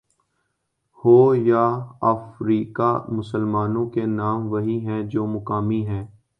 ہو یا افریقہ مسلمانوں کے نام وہی ہیں جو مقامی ہیں۔